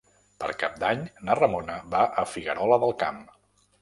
Per Cap d'Any na Ramona va a Figuerola del Camp.